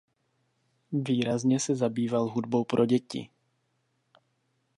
Výrazně se zabýval hudbou pro děti.